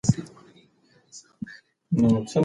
هغه د خپلو بزګرو سره یوځای کار کاوه.